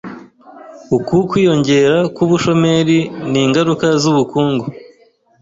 Uku kwiyongera k'ubushomeri ni ingaruka z’ubukungu.